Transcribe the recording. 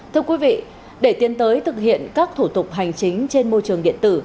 thưa quý vị để tiến tới thực hiện các thủ tục hành chính trên môi trường điện tử